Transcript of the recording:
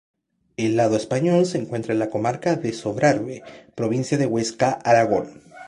El lado español, se encuentra en la comarca de Sobrarbe, Provincia de Huesca, Aragón.